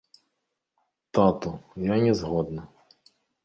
Тату, я не згодна.